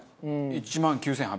１万９８００円。